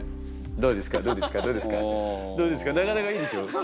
どうですかなかなかいいでしょう？